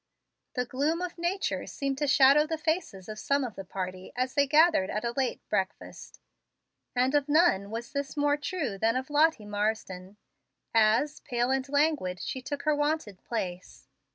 The gloom of nature seemed to shadow the faces of some of the party as they gathered at a late breakfast; and of none was this more true than of Lottie Marsden, as, pale and languid, she took her wonted place.